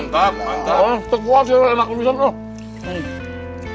teguah siom enak loh